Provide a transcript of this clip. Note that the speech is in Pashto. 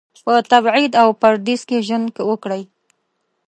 په تبعید او پردیس کې ژوند وکړي.